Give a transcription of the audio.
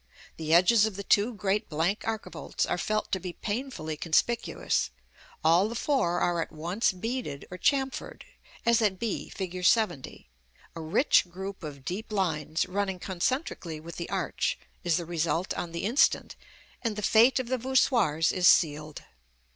The edges of the two great blank archivolts are felt to be painfully conspicuous; all the four are at once beaded or chamfered, as at b, Fig. LXX.; a rich group of deep lines, running concentrically with the arch, is the result on the instant, and the fate of the voussoirs is sealed.